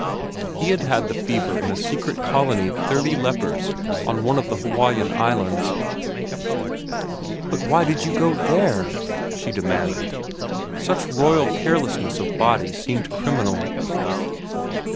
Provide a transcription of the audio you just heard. He had had the fever in a secret colony of thirty lepers on one of the Hawaiian Islands. "But why did you go there?" she demanded. Such royal carelessness of body seemed criminal.